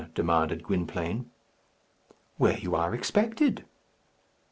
demanded Gwynplaine. "Where you are expected."